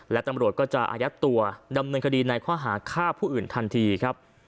และตำรวจก็จะอายัดตัวดำเนินคดีในข้อหาฆ่าผู้อื่นทันทีครับ